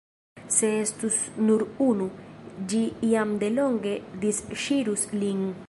Se estus nur unu, ĝi jam delonge disŝirus lin.